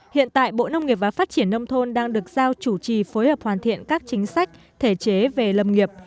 hiện tại bộ nông nghiệp và phát triển nông thôn đang được giao chủ trì phối hợp hoàn thiện các chính sách thể chế về lâm nghiệp